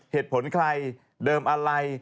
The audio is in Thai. เหตุผลใครเดิมอะไร